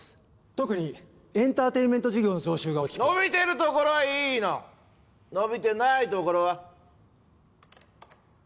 特にエンタテインメント事業の増収が大きく伸びてるところはいいの伸びてないところは？